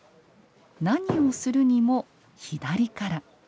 何をするにも左から。